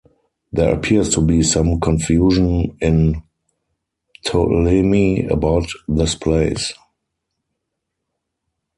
There appears to be some confusion in Ptolemy about this place.